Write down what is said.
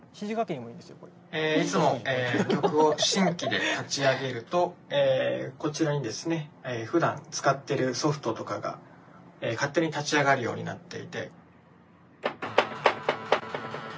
いつも曲を新規で立ち上げるとこちらにですねふだん使ってるソフトとかが勝手に立ち上がるようになっていて。